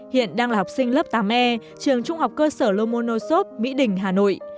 hiện đang là học sinh lớp tám e trường trung học cơ sở lomonosoft mỹ đình hà nội